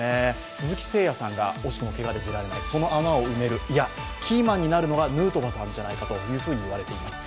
鈴木誠也さんが惜しくもけがで出られないその穴を埋める、いや、キーマンになるのがヌートバーさんじゃないかと言われています。